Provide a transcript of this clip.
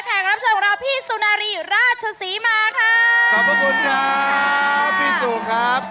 แขกรับเชิญของเราพี่สุนารีราชสีมาค่ะขอบคุณค่ะพี่สุครับ